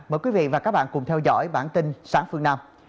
mời quý vị và các bạn cùng theo dõi bản tin sáng phương nam